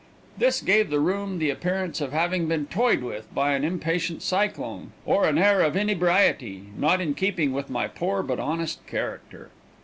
This gave the room the appearance of having been toyed with by an impatient cyclone, or an air of inebriety not in keeping with my poor but honest character.